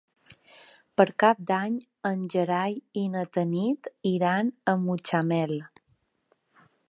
Per Cap d'Any en Gerai i na Tanit iran a Mutxamel.